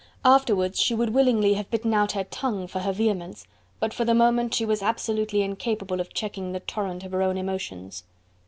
Afterwards she would willingly have bitten out her tongue for her vehemence, but for the moment she was absolutely incapable of checking the torrent of her own emotions.